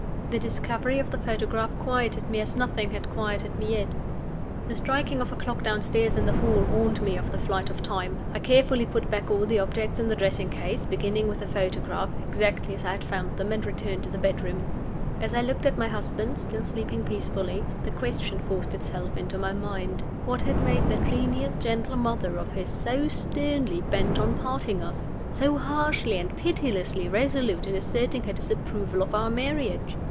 The discovery of the photograph quieted me as nothing had quieted me yet. The striking of a clock downstairs in the hall warned me of the flight of time. I carefully put back all the objects in the dressing case (beginning with the photograph) exactly as I had found them, and returned to the bedroom. As I looked at my husband, still sleeping peacefully, the question forced itself into my mind, What had made that genial, gentle mother of his so sternly bent on parting us? so harshly and pitilessly resolute in asserting her disapproval of our marriage?